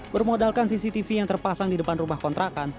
bermodalkan cctv yang terpasang di depan rumah kontrakan